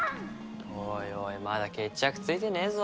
おいおいまだ決着着いてねえぞ